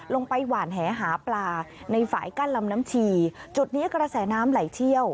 ลงไปหวานแหหาปลาในฝ่ายกั้นลำน้ำชีจุดนี้กระแสน้ำไหลเชี่ยว